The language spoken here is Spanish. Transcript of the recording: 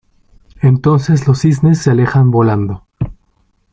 Entonces los cisnes se alejan volando.